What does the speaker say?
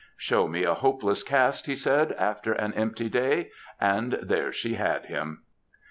^^ Show me a hopeless cast," he said after an empty day, and there he had him.